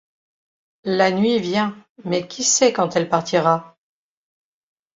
La nuit vient mais qui sait quand elle partira ?